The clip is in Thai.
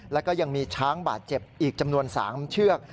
แล้วก็ยังมีช้างบาดเจ็บอีกจำนวน๓เชือก